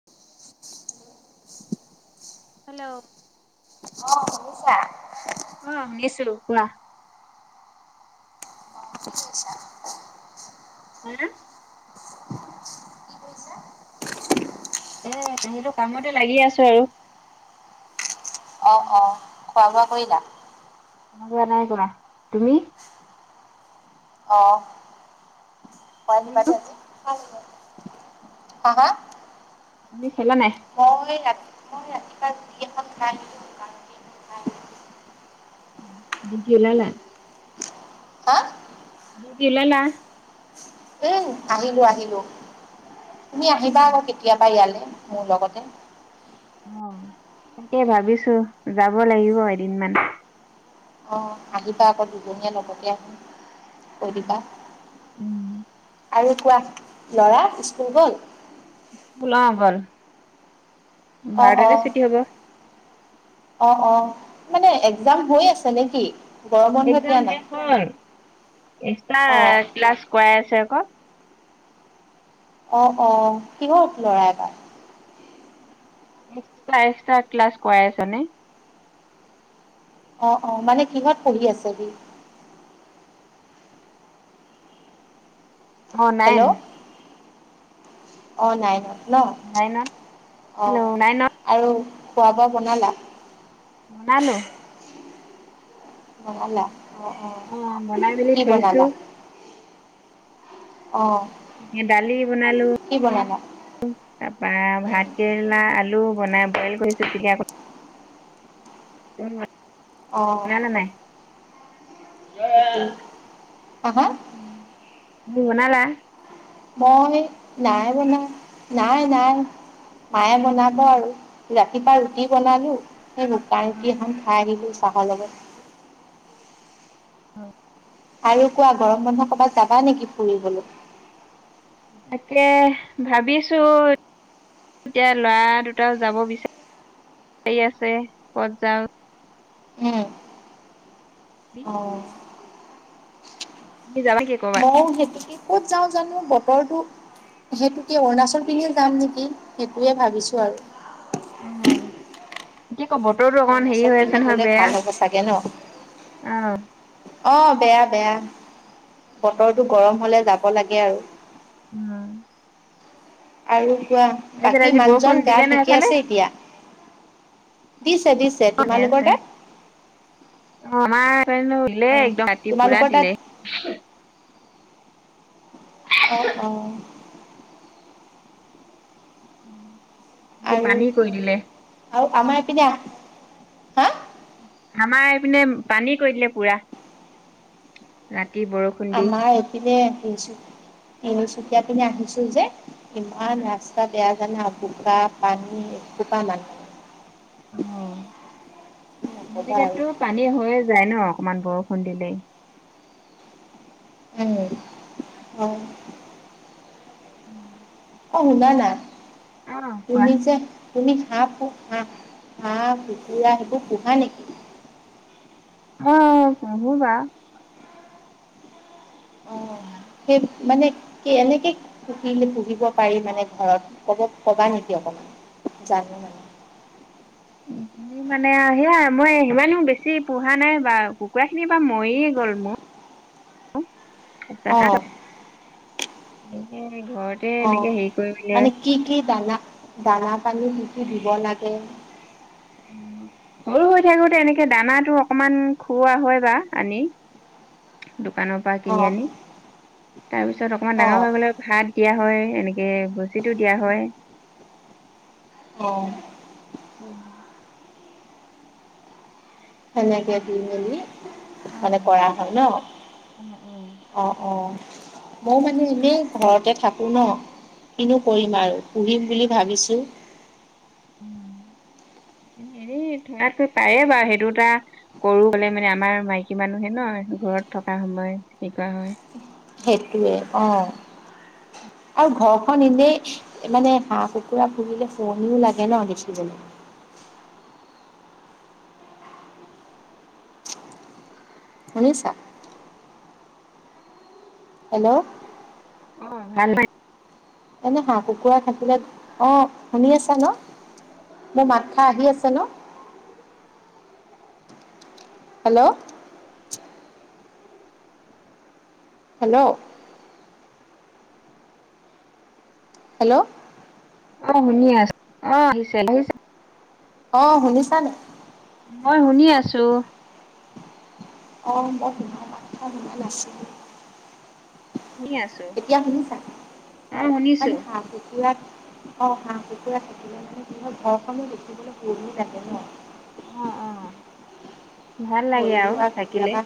[inaudible] [unintelligible] Hello [inaudible] অঁ শুনিছা? [unintelligible] অঁ! শুনিছো। কোৱা? [inaudible] কি কৰিছা [unintelligible] হা! [inaudible] এ সেইটো কামতে লাগি আছো আৰু। [unintelligible] অ-অ! খোৱা-বোৱা কৰিলা? [inaudible] খোৱা-বোৱা নাই কৰা। তুমি? [inaudible] অ! [inaudible] [unintelligible] কিবা যে আজি [inaudible] হা-হা! তুমি খালা নাই? [inaudible] মই ৰাতি মই ৰাতিপুৱা ৰুটি এখন খাই [unintelligible] ডিউটি ওলালা? [unintelligible] হা! [inaudible] ডিউটি ওলালা? [unintelligible] উম আহিলো-আহিলো। তুমি আহিবা আকৌ কেতিয়াবা ইয়ালৈ, মোৰ লগতে। [unintelligible] অঁ! তাকে ভাবিছো, যাব লাগিব এদিনমান। [inaudible] অঁ! আহিবা আকৌ দুজনীয়ে লগতে [unintelligible] কৈ দিবা উম [inaudible] আৰু কোৱা লৰা স্কুল গ'ল? অঁ গ'ল। [inaudible] অ বাৰটাতে ছুটি হ'ব। অঁ-অঁ! মানে এক্সাম হৈ আছে নেকি? [unintelligible] একজাম দিয়া নাই? শেষ হ'ল। এক্সট্ৰা অ ক্লাছ কৰাই আছে আকৌ। [unintelligible] অঁ-অঁ! কিহত ল'ৰা এইবাৰ? [unintelligible] এক্সট্ৰা-এক্সট্ৰা ক্লাছ কৰাই আছে নে? [unintelligible] অঁ-অঁ! মানে কিহত পঢ়ি আছে সি? [inaudible] অ হেল্ল' নাইন [inaudible] অ নাইনত। ন নাইনত [unintelligible] অঁ হেল্ল' নাইনত আৰু খোৱা-বোৱা বনালা? [unintelligible] বনালো। [inaudible] বনালা। অঁ-অঁ! অ বনাই মেলি কি থৈছো বনালা? [inaudible] অঁ [unintelligible] এ দালি বনালো [inaudible] কি বনালা? [inaudible] তাৰপা উম, ভাত কেৰেলা, আলু বনাই বইল কৰিছো। পিটিকা ক [unintelligible] উম [unintelligible] অঁ! [inaudible] [unintelligible] হা-হা! [unintelligible] তুমি বনালা? মই নাই বনোৱা। নাই-নাই [unintelligible] মায়ে বনাব আৰু ৰাতিপুৱা ৰুটি বনালো। [inaudible] শুকান ৰুতি এখন খাই আহিলোঁ চাহৰ লগত। [unintelligible] আৰু কোৱা গৰম বন্ধ ক'বাত যাবা নেকি ফুৰিবলৈ? তাকে ভাবিছোঁ। এতিয়া ল'ৰা দুটাও যাব [unintelligible] আছে ক'ত যাওঁ। উম, অ', [unintelligible] [unintelligible] যাবা। [unintelligible] মই সেইটোকে ক'ত যাওঁ জানোঁ বতৰটো। সেইটোকে অৰুণাচল পিনে যাম নেকি সেইটোৱে ভাবিছোঁ আৰু। অহ। কি [unintelligible] বতৰটো অকমান হেৰি অৰুণাচল হৈ পিনে আছে নহয় গ'লে ভাল বেয়া হ'ব চাগে ন অহ। অ বেয়া, বেয়া বতৰটো গৰম হ'লে যাব লাগে আৰু। [unintelligible] আৰু কোৱা তাৰপিছত বাকী আজি বৰষুণ মানুহজন গা দিলে নে ঠিকে সেইফালে? আছে এতিয়া দিছে দিছ [unintelligible] আছে আমাৰ দিলে অ একদম ৰাতি পুৰা তোমালোকৰ তাত দিলে। [inaudible] অ, অ। আৰু, পানী কৰি দিলে আৰু আমাৰ এইপিনে আহ আমাৰ এইপিনে পানী কৰি দিলে পুৰা ৰাতি বৰষ আমাৰ এইপিনে তিনিচু-তিনিচুকীয়া পিনে আহিছিল যে ইমান ৰাচ। [unintelligible] বেয়া জানা বোকা পানী এক কঁকাল মান। নকবা আৰু [unintelligible] পানী হৈয়ে যায় নহ অকমান বৰষুণ দিলেই। [unintelligible] [unintelligible] [inaudible] অ শুনা না তুমি অ যে। তুমি হাঁহ [unintelligible] হাঁহ কুকুৰা সেইবোৰ পুহা নেকি। [unintelligible] অ [unintelligible] [unintelligible] মানে কি এনেকে [unintelligible] পুহিব পাৰি মানে ঘৰত ক'ব ক'বা নেকি অকমান জানোঁ মানে। তুমি [inaudible] মানে সেয়াই মই সিমানেও বেছি পোহা নাই বা কুকুৰা খিনি বা মৰিয়ে গ'ল ম [unintelligible] অ তাকে ঘৰ অ মানে কি, কি দানা, দানা পানী কি, কি দিব লাগে। [inaudible] সৰু হৈ থাকোঁতে এনেকে দানাটো অকমান খুওৱা হয় বা আনি। দোকানৰ পৰা অ কিনি আনি তাৰপিছত অকমান অ ডাঙৰ হৈ গ'লে ভাত দিয়া হয় এনেক [unintelligible] দিয়া হয়। অ। [unintelligible] সেনেকে দি মেলি অ [unintelligible] কৰা হয় নহ। অ, অ মই মানে এনেই ঘৰতে থাকোঁ নহ কিনো কৰিম অ আৰু। পুহিম বুলি ভাবিছোঁ। অ, [inaudible] হেৰি ধৰাটোয়ে পায়ে বাৰু সেইটো টা কৰো হ'লে মানে আমাৰ মাইকী মানুহে ন ঘৰত থকা সময় হেৰি কৰা হয় সেইটোৱে অহ আৰু ঘৰখন এনেই মানে হাঁহ কুকুৰা পোহিলে শুৱনিও লাগে ন দেখিবলে শুনিছা হেল্ল' অহ সেইকা নৈ এনে হাঁহ কুকুৰা থাকিলে অহ শুনি আছা ন মোৰ মাতখা আহি আছে ন হেল্ল' হেল্ল' হেল্ল' অহ শুনি আছো অহ আহিছে আহিছে অহ শুনিছানে মই শুনি আছো অহ মই সি খা মাত খা শুনা নাছিলো শুনি আছো। এতিয়া শুনিছা অ অহ মানে শুনিছো হাঁহ কুকুৰা অহ হাঁহ কুকুৰা থাকিলে মানে কিহ হয় ঘৰখনো দেখিবলৈ শুৱনি দেখে ন অ অ ভাল লাগে ধৰি আৰু লোৱা থাকিলে। কেতিয়াবা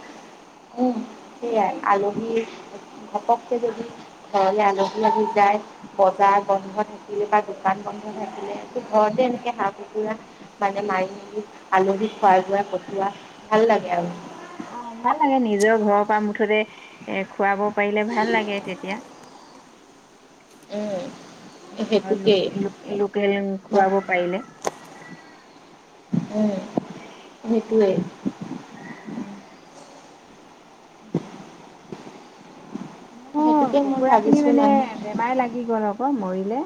উম সেইয়া আলহী ঘপকে যদি ঘৰলে আলহী আহি যায় বজাৰ বন্ধ থাকিলে বা দোকান বন্ধ থাকিলে এইটো ঘৰতে এনেকে হাঁহ কুকুৰা মানে মাৰি আলহীক খোৱা বোৱাই পঠিওৱা ভাল লাগে আৰু অহ ভাল লাগে নিজৰ ঘৰৰ পৰা মুঠতে এ খোৱাৰ পাৰিলে ভাল লাগে তেতিয়া [unintelligible] উম, ঘৰৰ সেইটোকেই লোক লোক লোকেল ন খোৱাব পাৰিলে উম সেইটোৱে উম উম ও মোৰ সেইটোকে মই কুকুৰা খিনি ভাবিছো মানে বেমাৰ লাগি গল আকৌ মৰিলে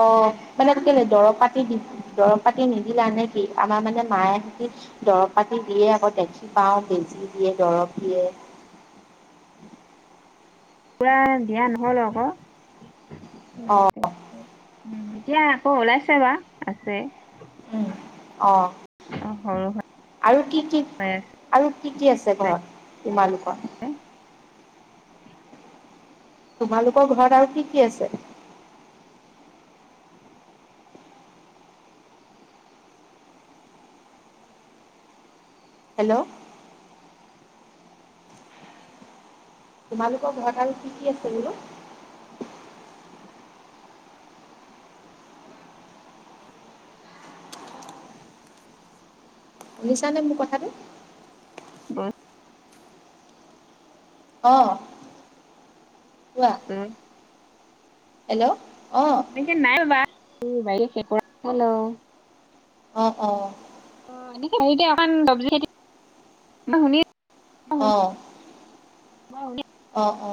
অহ মানে কেলে দৰৱ পাতি দি দৰৱ পাতি নিদিলা নে কি আমাৰ মানে মায়ে দৰৱ পাতি দিয়ে আকৌ দেখি পাওঁ বেজি দিয়ে দৰৱ দিয়ে পোৰা দিয়া নহ'ল আকৌ অ এতিয়া আকৌ ওলাইছে বা আছে উম অহ অ সৰু আৰু কি কি আৰু কি কি আছে ঘৰত তোমালোকৰ তোমালোকৰ ঘৰত আৰু কি কি আছে হেল্ল' তোমালোকৰ ঘৰত আৰু কি কি আছে বোলো শুনিছা নে মোৰ কথাটো হয় অহ উম হেল্ল' অহ এ নাই ভৱা [unintelligible] অ অ। অ এনেকে সেইকে অকান চব্জি খেতি, মই শুনি অ। অ অ অ।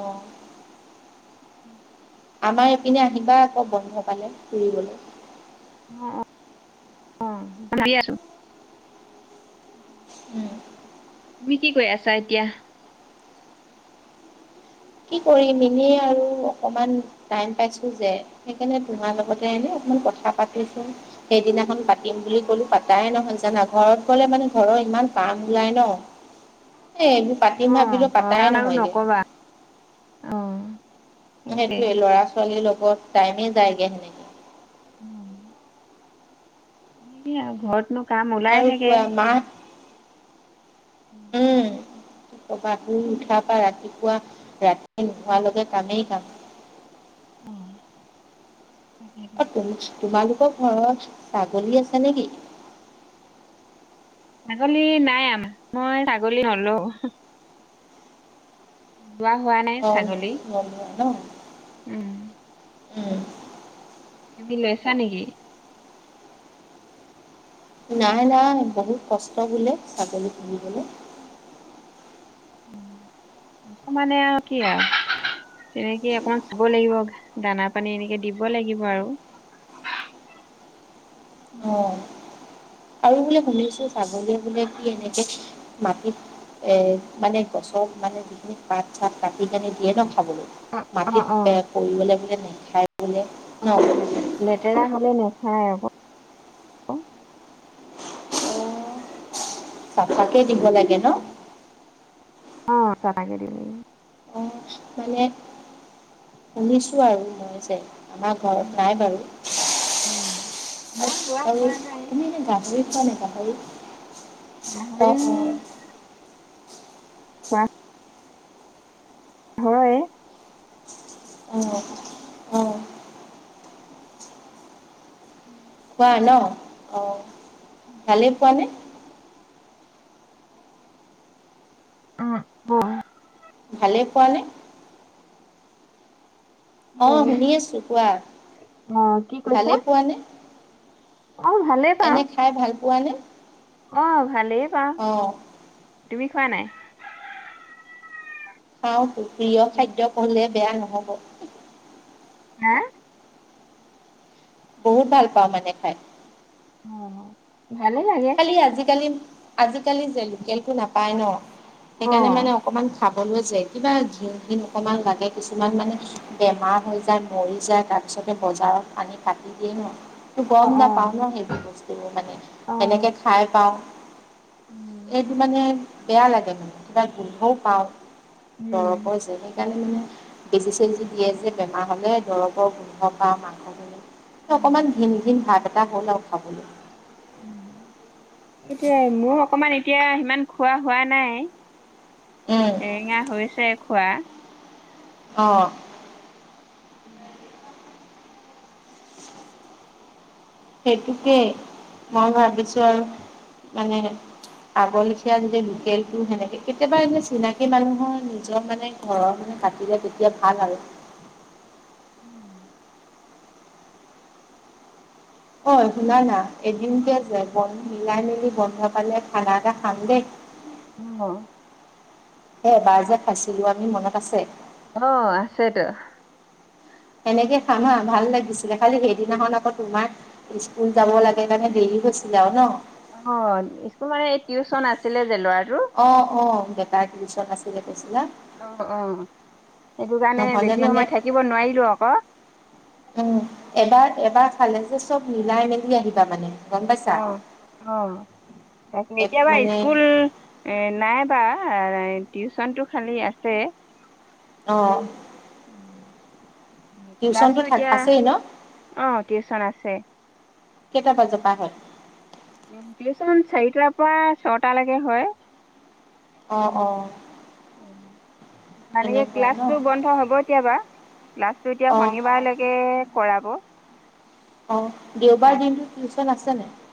উম। আমাৰ ইপিনে আহিবা আকৌ বন্ধ পালে ফুৰিবলে। অ অ [unintelligible] আছো। উম। তুমি কি কৰি আছা এতিয়া? কি কৰিম এনেই আৰু অকমান টাইম পাইছো যে। সেইকাণে তোমাৰ লগতে এনে অকমান কথা পাতিছোন। সেইদিনাখন পাতিম বুলি কলো পাতাই নহয় জানা, ঘৰত গলে মানে ঘৰৰ ইমান কাম ওলাই ন। এ এইবোৰ অ পাতিম ভাবিলো ঘৰৰ পাতাই কাম আৰু নহয়গে। নকবা অ। সেইটোৱে সেইটোয়ে ল'ৰা ছোৱালীৰ লগত টাইমে যায়গে হেনে অহ। এনেইহে আও ঘৰতনো কাম আৰু ওলাই থাকে। পুৱা মাহ উম। কবা শুই উঠা পা ৰাতিপুৱা ৰাতি নোহোৱালৈকে কামেই কাম। অ তাকে। অ তোমছ তোমালোকৰ ঘৰত ছাগলী আছে নেকি? ছাগলী নাই আমা, মই ছাগলী নলও। যোৱা হোৱাত অ বোলো নলও ন, উম উম। তুমি লৈছা নেকি? নাই নাই বহুত কষ্ট বোলে ছাগলী পুহিবলে। [inaudible] কষ্ট মানে আও কি আও। তেনেকে অকমান চাব লাগিব দানা পানী এনেকে দিব লাগিব আৰু। অ আৰু বোলে শুনিছো ছাগলীয়ে বোলে কি এনেকে মাটিত এ মানে গছৰ মানে যিখিনি পাত চাত কাটি কানি দিয়ে ন খাবলৈ অ', মাটিত অ', অ', পৰি গ'লে বোলে নাখায় বোলে ন? লেত লেতেৰা হ'লে নাখায় আক। অ চাফাকে দিব লাগে ন? অ চাফাকে দিব লাগে। অ মানে শুনিছোঁ আৰু মই যে আমাৰ ঘৰত উম, নাই বাৰু, উম। আত মই লোৱা আৰু হোৱা নাই, তুমি এনে গাহৰি খোৱানে গাহৰি। অ গাহৰি অ খোৱা হয়। অ। অ উম। খোৱা ন। অ ভালেই পোৱানে? অ বৌ ভালে পোৱা নে? অ হেল্ল', শুনি আছো কোৱা অ', কি কৈছা? ভালে পোৱা নে? অ ভালে। এনে খাই ভাল পোৱানে। অ ভালেই পাওঁ তুমি খোৱা নাই। খাও প্ৰিয় খাদ্য কলে বেয়া নহব। হা! বহুত ভাল পাওঁ মানে খাই। অ ভালেই লাগে। খালি আজি-কালি আজি-কালি যে লোকেলটো নাপায় ন সেইকাৰণে অ', মানে অকণমান খাবলৈ যায় কিবা ঘিণ ঘিণ অকণমান লাগে কিছুমান মানে বেমাৰ হৈ যায় মৰি যায় তাত তাৰপিছতে বজাৰত পানী কাটি দিয়েই ন। গম অ', অ', নাপাও ন সেইবোৰ বস্তুৰ মানে সেনেকে অ', খাই পাওঁ। উম। এইটো মানে বেয়া লাগে মানে কিবা গোন্ধও পাওঁ দৰৱ উম। কৰিছে সেইকাৰণে মানে- বেজি চেজি দিয়ে যে বেমাৰ হলে দৰৱৰ গোন্ধ বা মাংস অকমান ঘিন ঘিন ভাৱ এটা হ'ল আৰু খাবলে। সেইটোৱে মোৰ অকমান এতিয়া সিমান খোৱা হোৱা নাই। উম। সেৰেঙা হৈছে খোৱা। অ, উম। সেইটোকেই মই ভাবিছো আৰু মানে আগৰ লেখিয়া যে লোকেলটো সেনেকে কেতিয়াবা এনে চিনাকি মানুহৰ নিজৰ মানে ঘৰৰ মানে কাটিলে তেতিয়া ভাল আৰু, উম! অ শুনা না এদিনকে যে বন্ধ মিলাই মেলি বন্ধ পালে খানা এটা খাম দেই। উম! এ এবাৰ যে খাইছিলো আমি মনত আছে। অ আছেতো। সেনেকে খাম হা ভাল লাগিছিলে খালি সেইদিনাখন আকৌ তোমাক। স্কুল যাব লাগে কাৰনে দেৰি হৈছিলে আৰু ন। অ স্কুল মানে টিউচন আছিলে যে ল'ৰাটো অ অ বেটা টিউশচন আছিলে কৈছিলা। অ অ সেইটো কাৰণে নহলে বেছি মানে সময় থাকিব নোৱাৰিলো আক উ এবাৰ এবাৰ খালে যে চব মিলাই মেলি আহিবা মানে- গম পাইছা অ অ তাক এক এতিয়াবা মানে স্কুল এ নাইবা টিউচন টো খালি আছে। অ' টিউচনটো ক্লাছো থাক এতিয়া আছেই ন অ টিউচন আছে। কেইটা বাজ পা আহে টিউচন চাৰিটাৰ পৰা ছটা লৈকে হয় অ অ মানে কি তেনেকুৱা ন ক্লাছটো বন্ধ হব। কেতিয়াবা লাষ্টটো এতিয়া অ শনিবাৰ লৈকে কৰাব। অ দেওবাৰ তাৰ দিনতো টিউচন আছে নাই।